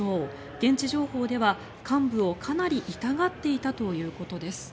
現地情報では患部をかなり痛がっていたということです。